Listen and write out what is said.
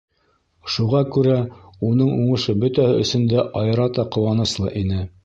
Шуға күрә уның уңышы бөтәһе өсөн дә айырата ҡыуаныслы ине.